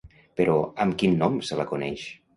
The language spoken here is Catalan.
Però, amb quin nom se la coneix?